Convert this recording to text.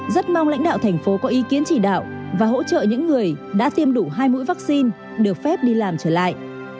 rất mong lãnh đạo thành phố có ý kiến chỉ đạo và hỗ trợ những người đã tiêm đủ hai mũi vaccine được phép đi làm trở lại